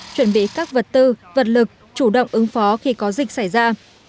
chuẩn bị các vật tư vật lực chủ động ứng phó khi có dịch xảy ra